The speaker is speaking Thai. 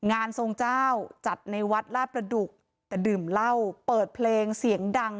งานทรงเจ้าจัดในวัดลาดประดุกแต่ดื่มเหล้าเปิดเพลงเสียงดัง